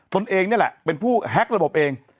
ตนเองนี่แหละเป็นผู้แฮ็กระบบเอง